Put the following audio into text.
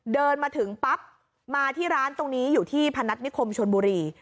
เดินมาถึงปั๊บมาที่ร้านตรงนี้อยู่ที่พนัฐนิคมชนบุรี